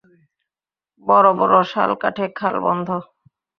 বড় বড় শাল কাঠে খাল বন্ধ!